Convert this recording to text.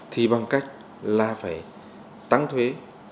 thì bằng cách là phải tăng thuế